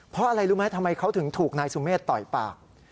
เพราะอะไรรู้ไหมทำไมเขาถึงถูกนายสุเมฆต่อยปาก